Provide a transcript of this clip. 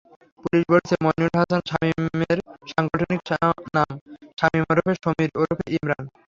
Police বলছে, মইনুল হাসান শামীমের সাংগঠনিক নাম শামীম ওরফে সমির ওরফে ইমরান।